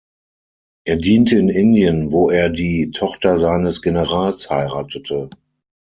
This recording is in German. Er diente in Indien, wo er die Tochter seines Generals heiratete.